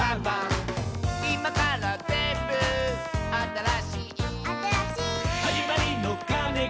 「いまからぜんぶあたらしい」「あたらしい」「はじまりのかねが」